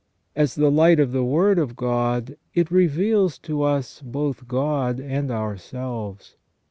As the light of the Word of God, it reveals to us both God and our selves.